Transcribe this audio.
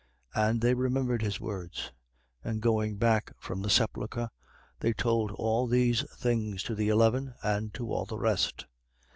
24:8. And they remembered his words. 24:9. And going back from the sepulchre, they told all these things to the eleven and to all the rest.